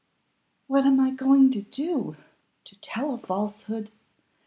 "What am I going to do? To tell a falsehood!